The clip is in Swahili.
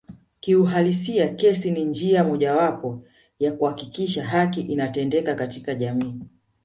Kiuhalisia kesi ni njia mojawapo ya kuhakikisha haki inatendeka katika jamii